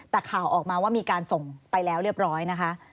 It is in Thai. แต่ข่าวออกมาว่ามีการส่งไปแล้วเรียบร้อยนะคะ